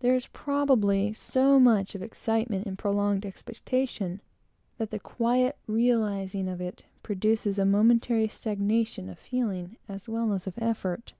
There is probably so much of excitement in prolonged expectation, that the quiet realizing of it produces a momentary stagnation of feeling as well as of effort.